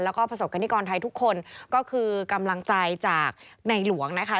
แล้วก็ประสบกรณิกรไทยทุกคนก็คือกำลังใจจากในหลวงนะคะ